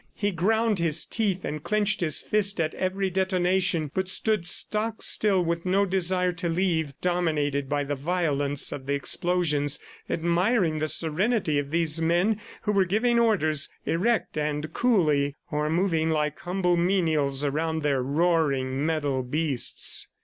He ground his teeth and clenched his fists at every detonation, but stood stock still with no desire to leave, dominated by the violence of the explosions, admiring the serenity of these men who were giving orders, erect and coolly, or moving like humble menials around their roaring metal beasts.